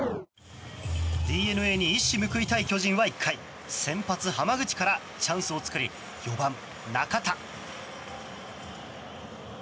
ＤｅＮＡに一矢報いたい巨人は１回、先発濱口からチャンスを作り４番、中田。